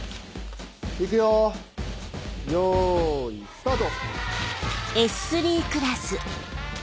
行くよよいスタート。